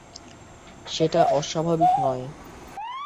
সেটা অস্বাভাবিক নয়।